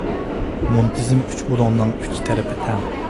مۇنتىزىم ئۈچ بۇلۇڭنىڭ ئۈچ تەرىپى تەڭ.